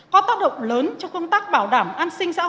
có tác động lớn cho công tác bảo đảm an sinh sống